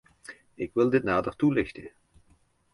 Ik wil dit nader toelichten.